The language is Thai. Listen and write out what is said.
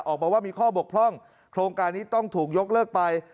ออกมาว่ามีข้อบกพร่องโครงการนี้ต้องถูกยกเลิกไป